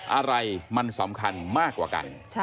อะไรมันสำคัญมากกว่ากัน